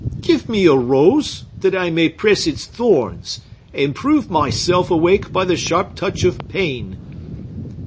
Give me a rose, that I may press its thorns, and prove myself awake by the sharp touch of pain!"